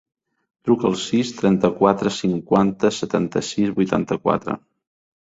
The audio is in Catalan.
Truca al sis, trenta-quatre, cinquanta, setanta-sis, vuitanta-quatre.